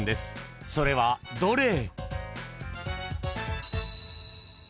［それはどれ？］